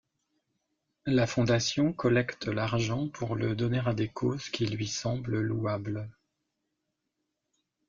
La Fondation collecte l'argent pour le donner à des causes qui lui semblent louables.